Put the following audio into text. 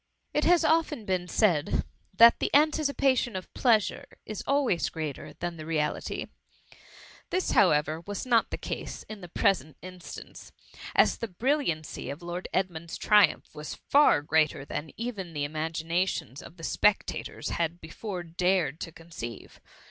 It has often been said that the anticipation of pleasure is always greater than the reality : this, however, was not the case in the present instance, as the brilliancy of Lord Edmund^s triumph was far greater than even the imagina . tions of the spectators had before dared to conceive.